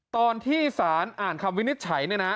ตอนที่สารอ่านคำวินิจฉัยเนี่ยนะ